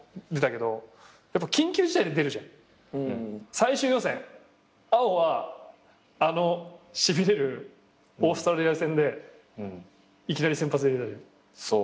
最終予選碧はあのしびれるオーストラリア戦でいきなり先発で出たじゃん。